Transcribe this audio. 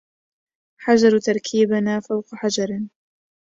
حجر تركيبنا فوق حجر